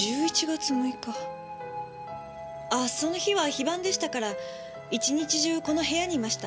ああその日は非番でしたから一日中この部屋にいました。